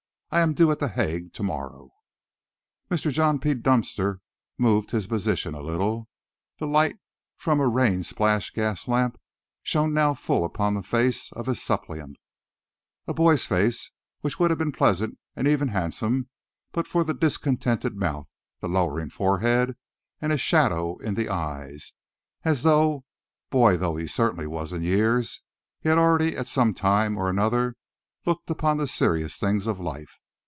I am due at The Hague to morrow." Mr. John P. Dunster moved his position a little. The light from a rain splashed gas lamp shone now full upon the face of his suppliant: a boy's face, which would have been pleasant and even handsome but for the discontented mouth, the lowering forehead, and a shadow in the eyes, as though, boy though he certainly was in years, he had already, at some time or another, looked upon the serious things of life.